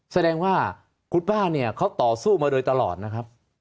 แสดงว่าคุณป้าเนี่ยเขาต่อสู้มาโดยตลอดนะครับ